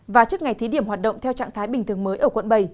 và trước ngày thí điểm hoạt động theo trạng thái bình thường mới ở quận bảy